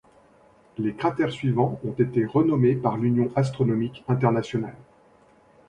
Les cratères suivants ont été renommés par l'union astronomique internationale.